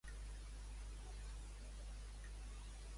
Quina finalitat té la narració de l'Enuma Elix?